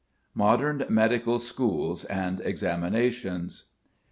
_] MODERN MEDICAL SCHOOLS AND EXAMINATIONS.